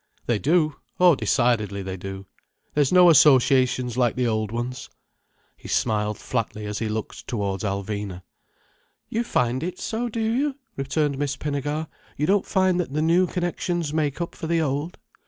"They do. Oh decidedly they do. There's no associations like the old ones." He smiled flatly as he looked towards Alvina. "You find it so, do you!" returned Miss Pinnegar. "You don't find that the new connections make up for the old?"